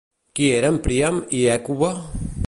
Qui eren Príam i Hècuba?